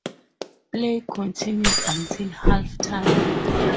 Play continues until halftime.